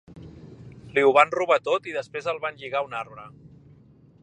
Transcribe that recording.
Li ho van robar tot i després el van lligar a un arbre.